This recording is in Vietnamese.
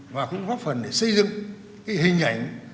và cũng góp phần để xây dựng cái hình ảnh